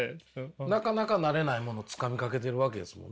なかなかなれないものつかみかけてるわけですもんね。